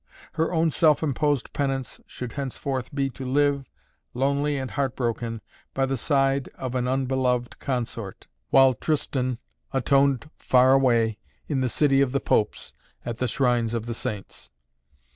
Her own self imposed penance should henceforth be to live, lonely and heartbroken, by the side of an unbeloved consort, while Tristan atoned far away, in the city of the popes, at the shrines of the saints.